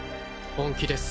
本気です。